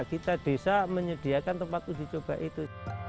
kita desa menyediakan tempat uji coba itu